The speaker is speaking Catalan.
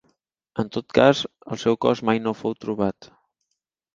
En tot cas, el seu cos mai no fou trobat.